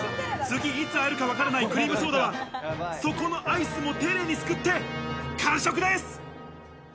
次いつ会えるかわからないクリームソーダは底のアイスも丁寧にすくって完食です。